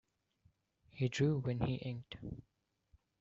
He drew when he inked.